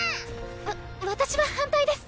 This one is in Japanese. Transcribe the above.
わ私は反対です。